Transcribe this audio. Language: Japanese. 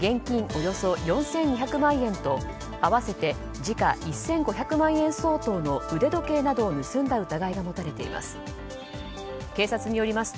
およそ４２００万円と合わせて時価１５００万円相当の腕時計などを盗んだ疑いが持たれています。